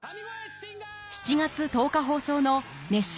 ７月１０日放送の『熱唱！